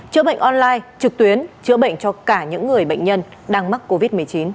chữa bệnh online trực tuyến chữa bệnh cho cả những người bệnh nhân đang mắc covid một mươi chín